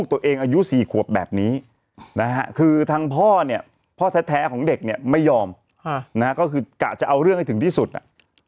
อายุ๔ขวบแบบนี้นะฮะคือทางพ่อเนี่ยพ่อแท้ของเด็กเนี่ยไม่ยอมนะฮะก็คือกะจะเอาเรื่องให้ถึงที่สุดอ่ะ